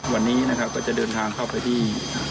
วันนี้นะครับก็จะเดินทางเข้าไปที่